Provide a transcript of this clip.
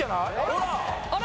ほら！